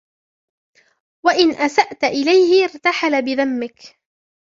وَإِنْ أَسَأْت إلَيْهِ ارْتَحَلَ بِذَمِّك